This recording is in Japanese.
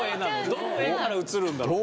どの絵から映るんだろうね。